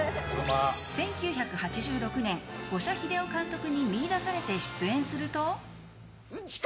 １９８６年、五社英雄監督に見いだされて出演すると。